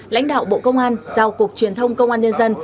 lãnh đạo bộ công an giao cục truyền thông công an nhân dân